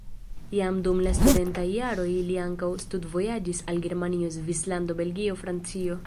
Jam dum la studentaj jaroj li ankaŭ studvojaĝis al Germanio, Svislando, Belgio, Francio.